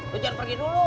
lo jangan pergi dulu